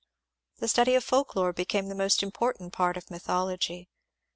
The study of folk lore became the most important part of mythology.